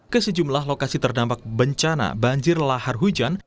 ke sejumlah lokasi terdampak bencana banjir lahar hujan